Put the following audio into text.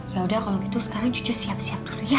yaudah kalau gitu sekarang cucu siap siap dulu ya